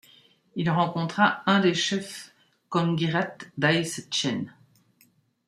Il rencontra un des chefs Qonggirat, Däi-setchèn.